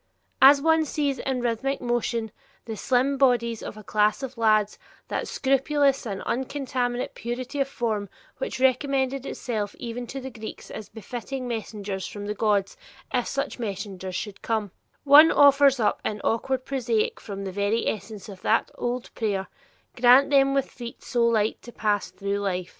As one sees in rhythmic motion the slim bodies of a class of lads, "that scrupulous and uncontaminate purity of form which recommended itself even to the Greeks as befitting messengers from the gods, if such messengers should come," one offers up in awkward prosaic form the very essence of that old prayer, "Grant them with feet so light to pass through life."